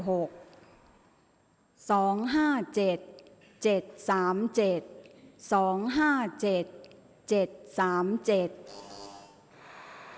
ออกรางวัลที่๖